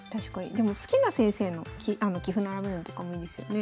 でも好きな先生の棋譜並べるのとかもいいですよね。